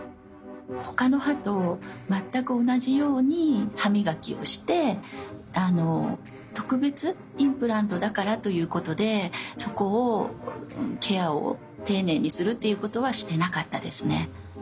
ほかの歯と全く同じように歯磨きをしてあの特別インプラントだからということでそこをケアを丁寧にするということはしてなかったですね。